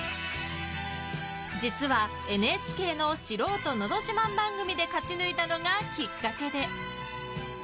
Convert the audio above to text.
実はＮＨＫの素人のど自慢番組で勝ち抜いたのがきっかけで。